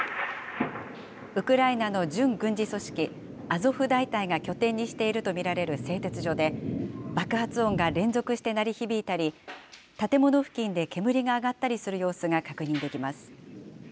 ウクライナの準軍事組織、アゾフ大隊が拠点にしていると見られる製鉄所で、爆発音が連続して鳴り響いたり、建物付近で煙が上がったりする様子が確認できます。